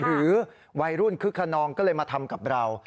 หรือวัยรุ่นคึกขนองก็เลยมาทำกับเรา